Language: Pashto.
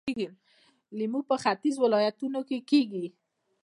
لیمو په ختیځو ولایتونو کې کیږي.